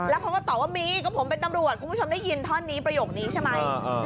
แล้วเขาก็ตอบว่ามีก็ผมเป็นตำรวจคุณผู้ชมได้ยินท่อนนี้ประโยคนี้ใช่ไหม